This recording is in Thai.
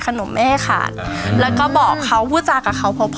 หนูไม่ให้ขาดแล้วก็บอกเขาพูดจากับเขาพอ